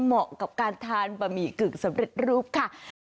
เหมาะกับการทานบะหมี่กึ่งสำเร็จรูปค่ะ